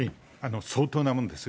相当なものです。